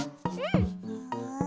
うん！